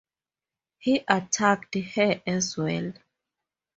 He attacked her as well.